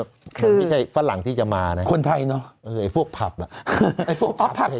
มันไม่ใช่ฝรั่งที่จะมานะคนไทยเนาะเออไอ้พวกผับล่ะ